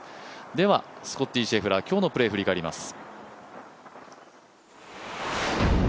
ではスコッティ・シェフラー、今日のプレーを振り返ります。